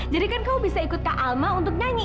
jadi kan kamu bisa ikut kak alma untuk nyanyi